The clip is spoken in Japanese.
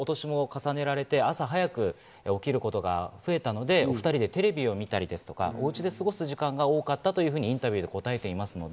年も重ねられて朝早く起きることもあるので、２人でテレビを見たり、おうちで過ごす時間が多かったとインタビューで答えています。